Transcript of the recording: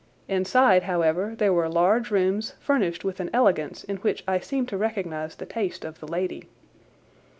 Inside, however, there were large rooms furnished with an elegance in which I seemed to recognize the taste of the lady.